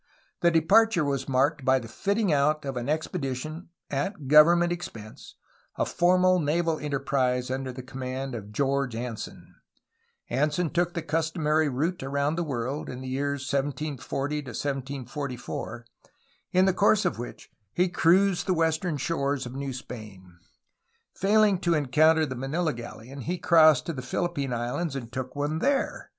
The departure was marked by the fitting out of an expedition at government expense, a formal naval enterprise, under the command of George Anson, Anson took the customary route around the world, in the years 1740 1744, in the course of which he cruised the west RUSSIAN AND ENGLISH AGGRESSIONS 263 ern shores of New Spain. Failing to encounter the Manila galleon he crossed to the Phihppine Islands and took one there.